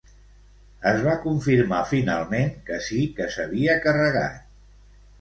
Es va confirmar finalment que sí que s'havia carregat.